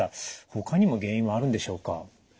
ほかにも原因はあるんでしょうか？